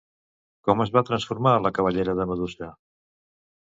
Com es va transformar la cabellera de Medusa?